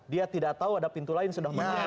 dia tidak tahu ada pintu lain sudah menang